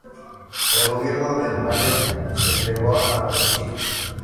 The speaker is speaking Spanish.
El gobierno del Magreb se entregó a los ziríes.